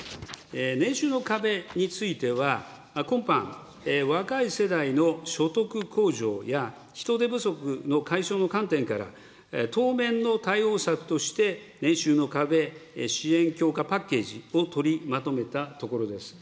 年収の壁については、今般、若い世代の所得向上や、人手不足の解消の観点から、当面の対応策として年収の壁支援強化パッケージを取りまとめたところです。